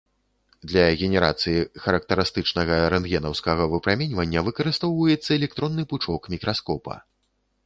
Для генерацыі характарыстычнага рэнтгенаўскага выпраменьвання выкарыстоўваецца электронны пучок мікраскопа.